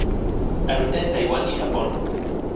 Habita en Taiwan y Japón.